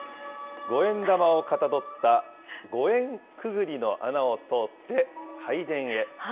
五円玉をかたどった、ご縁くぐりの穴を通って、拝殿へ。